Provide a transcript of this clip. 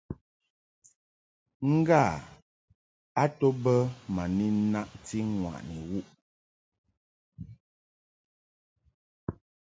Ngâ a to bə ma ni naʼti ŋwàʼni wuʼ bə.